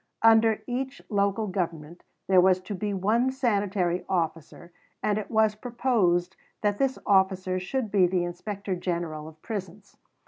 Under each Local Government there was to be one sanitary officer, and it was proposed that this officer should be the Inspector General of Prisons.